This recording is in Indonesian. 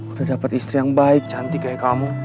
udah dapat istri yang baik cantik kayak kamu